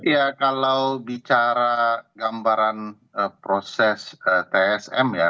ya kalau bicara gambaran proses tsm ya